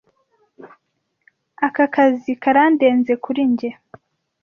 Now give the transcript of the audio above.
Aka kazi karandenze kuri njye.